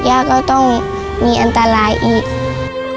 ย่าก็ต้องมีอันตรายอีก